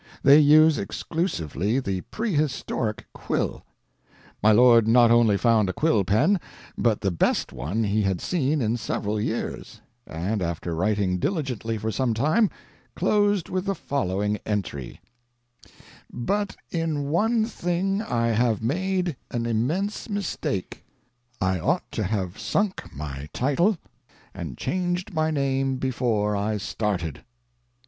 They use exclusively the pre historic quill. My lord not only found a quill pen, but the best one he had seen in several years—and after writing diligently for some time, closed with the following entry: p071.jpg (18K) BUT IN ONE THING I HAVE MADE AN IMMENSE MISTAKE, I OUGHT TO HAVE SHUCKED MY TITLE AND CHANGED MY NAME BEFORE I STARTED.